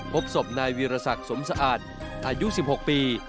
พบศพนายวีรศักดิ์สมสะอาดอายุ๑๖ปี